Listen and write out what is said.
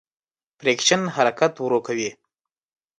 فریکشن حرکت ورو کوي.